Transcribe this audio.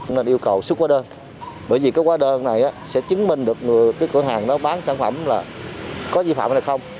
nên yêu cầu xuất quá đơn bởi vì quá đơn này sẽ chứng minh được cửa hàng bán sản phẩm là có dư phạm hay không